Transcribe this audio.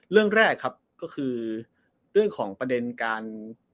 เรื่องแรกครับก็คือเรื่องของประเด็นการ